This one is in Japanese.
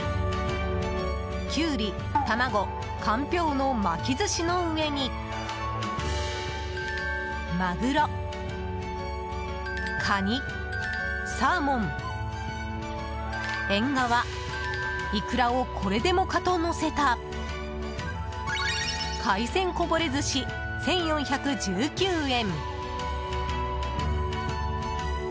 キュウリ、卵、かんぴょうの巻き寿司の上にマグロ、カニ、サーモンエンガワ、イクラをこれでもかとのせた海鮮こぼれ寿司、１４１９円。